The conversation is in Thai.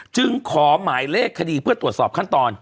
จึงขอหมายเลขคดีเพื่อตรวจสอบขั้นตอน